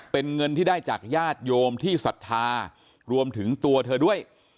เป็นเงินที่ได้จากญาติโยมที่ศรัทธารวมถึงตัวเธอด้วย